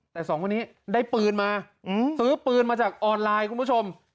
แต่สองคนนี้ได้ปืนมาซื้อปืนมาจากออนไลน์คุณผู้ชม